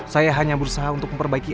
saya hanya berusaha untuk memperbaiki